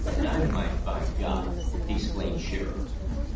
"Dynamite, by God!" exclaimed Shearer.